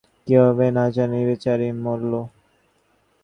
কীভাবে না জানি বেচারি মরল।